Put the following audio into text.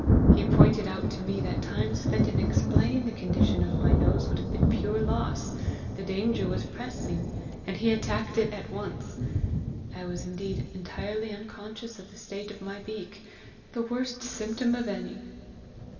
He pointed out to me that time spent in explaining the condition of my nose, would have been pure loss: the danger was pressing, and he attacked it at once! I was indeed entirely unconscious of the state of my beak the worst symptom of any!"